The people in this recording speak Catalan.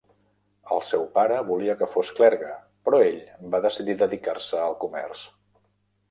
El seu pare volia que fos clergue, però ell va decidir dedicar-se al comerç.